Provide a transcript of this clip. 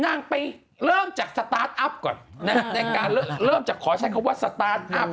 นางไปเริ่มจากสตาร์ทอัพก่อนในการเริ่มจากขอใช้คำว่าสตาร์ทอัพ